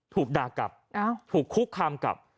ถูกดากกลับถูกคุกคำกลับ